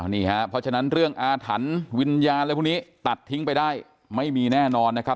เพราะฉะนั้นเรื่องอาถรรพ์วิญญาณตัดทิ้งไปได้ไม่มีแน่นอนนะครับ